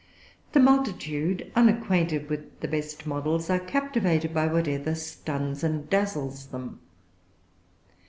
The multitude, unacquainted with the best models, are captivated by whatever stuns and dazzles them.